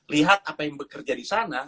lihat apa yang bekerja di sana